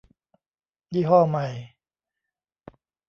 ยี่ห้อใหม่